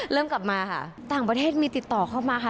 กลับมาค่ะต่างประเทศมีติดต่อเข้ามาค่ะ